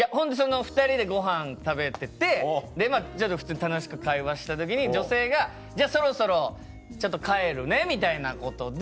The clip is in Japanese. ２人でごはん食べてて普通に楽しく会話した時に女性が「じゃあそろそろ帰るね」みたいなことで。